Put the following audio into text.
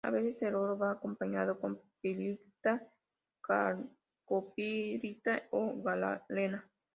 A veces el oro va acompañado con pirita, calcopirita o galena.